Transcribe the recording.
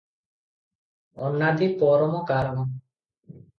ଅନାଦି ପରମକାରଣ ।